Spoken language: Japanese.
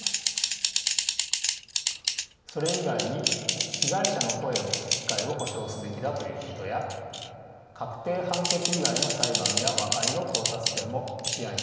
それ以外に被害者の声を聞く機会を保障すべきだということや確定判決以外の裁判や和解の到達点も視野に入れることを掲げました。